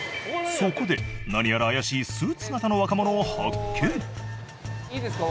そこで何やら怪しいスーツ姿の若者を発見いいですか？